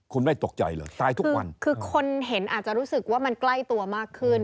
คุณไม่ตกใจเหรอตายทุกวันคือคนเห็นอาจจะรู้สึกว่ามันใกล้ตัวมากขึ้น